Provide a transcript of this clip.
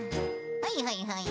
はいはいはい。